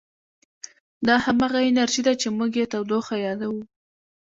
دا همغه انرژي ده چې موږ یې تودوخه یادوو.